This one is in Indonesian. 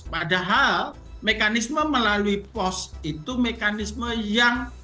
padahal mekanisme melalui pos itu mekanisme yang